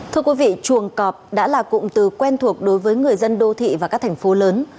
thưa quý vị chuồng cọp đã là cụm từ quen thuộc đối với người dân đô thị và các thành phố lớn